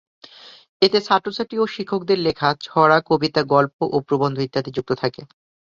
এতে ছাত্র-ছাত্রী এবং শিক্ষকদের লিখা ছড়া, কবিতা, গল্গ ও প্রবন্ধ ইত্যাদি যুক্ত থাকে।